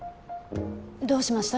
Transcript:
どうしました？